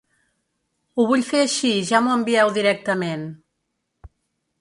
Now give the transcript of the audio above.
Ho vull fer així ja m'ho envieu directament.